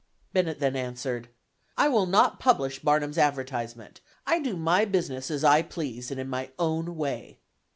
Bennett then answered: "I will not publish Barnum's advertisement; I do my business as I please, and in my own way."